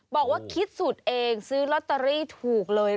บอกว่าคิดสูตรเองซื้อลอตเตอรี่ถูกเลย